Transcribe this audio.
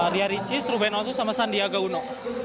ria ricis ruben onsu sama sandiaga uno